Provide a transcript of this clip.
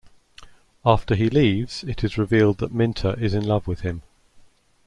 After he leaves, it is revealed that Minta is in love with him.